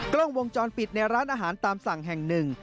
กล้องวงจรปิดในร้านอาหารตามสั่งแห่งหนึ่ง